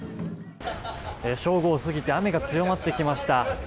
正午を過ぎて雨が強まってきました。